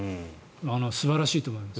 素晴らしいと思います。